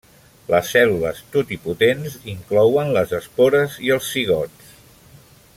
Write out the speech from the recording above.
Les cèl·lules totipotents inclouen les espores i els zigots.